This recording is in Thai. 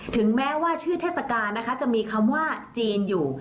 ถึงแม้ว่าชื่อเทศกาลนะคะจะมีคำว่าจีนอยู่